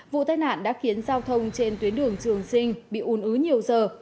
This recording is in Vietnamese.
vụ tai nạn đã khiến giao thông trên tuyến đường trường trinh bị ồn ứ nhiều giờ